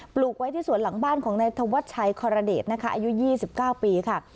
ลูกไว้ที่สวนหลังบ้านของนายธวัชชัยคอรเดชนะคะอายุ๒๙ปีค่ะ